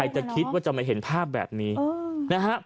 สิ่งที่มักฉันว่าจะมายเห็นภาพแบบนี้โอ้โห